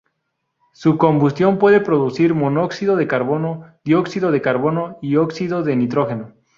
Su combustión puede producir monóxido de carbono, dióxido de carbono y óxido del nitrógeno.